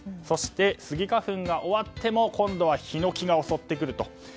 そして、スギ花粉が終わっても次はヒノキが襲ってくると。